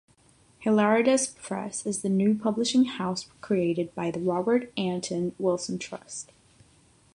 Hilaritas Press is the new publishing house created by the Robert Anton Wilson Trust.